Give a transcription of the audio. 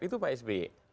itu pak sbe